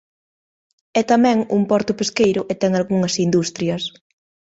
É tamén un porto pesqueiro e ten algunhas industrias.